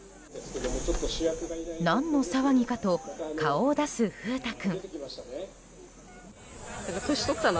何の騒ぎかと顔を出す風太君。